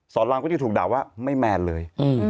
รามก็จะถูกด่าว่าไม่แมนเลย